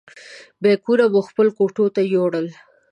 بیکونه مو خپلو کوټو ته یوړل.